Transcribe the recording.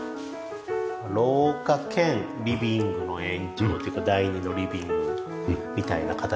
廊下兼リビングの延長っていうか第２のリビングみたいな形で捉えてます。